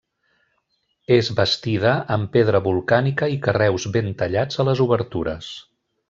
És bastida amb pedra volcànica i carreus ben tallats a les obertures.